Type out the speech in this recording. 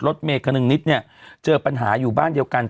เมฆคณึงนิดเนี่ยเจอปัญหาอยู่บ้านเดียวกัน